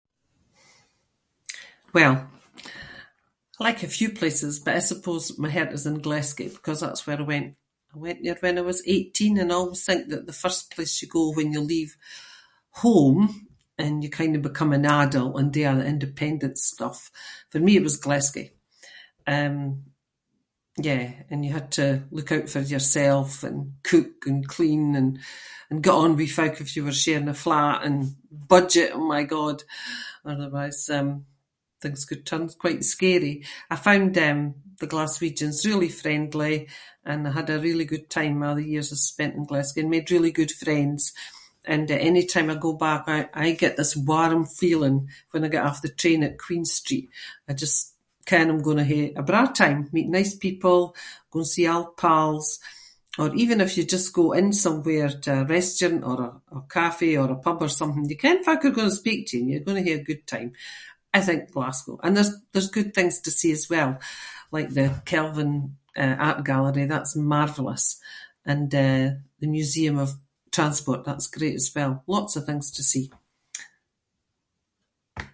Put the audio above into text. Well, I like a few places but I suppose my heart is in Glasgow ‘cause that’s where I went- I went there when I was eighteen and I always think that the first place you go when you leave home and you kinda become an adult and do all the independent stuff- for me it was Glasgow. Um, yeah, and you had to look out for yourself and cook and clean an- and get on with folk if you were sharing a flat and budget- oh my god- otherwise, um, things could turn quite scary. I found, um, the Glaswegians really friendly and I had a really good time a’ the years I spent in Glasgow and made really good friends and anytime I go back I aie get this warm feeling when I get off the train at Queen Street. I just ken I’m gonnae hae a braw time, meet nice people, go see old pals- or even if you just go in somewhere to a restaurant or a- a café or a pub or something you ken folk are gonnae speak to you and you’re gonnae hae a good time. I think Glasgow and there’s- there’s good things to see as well, like the Kelvin, eh, art gallery - that’s marvellous. And, eh, the museum of transport – that’s great as well. Lots of things to see.